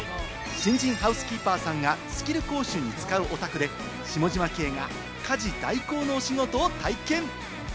新人ハウスキーパーさんがスキル講習に使うお宅で、下嶋兄が家事代行の仕事を体験。